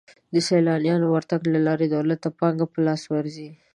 د سیلانیانو ورتګ له لارې دولت ته پانګه په لاس ورځي.